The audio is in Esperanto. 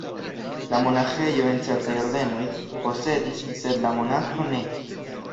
La monaĥejo, en certaj ordenoj, posedis, sed la monaĥo ne.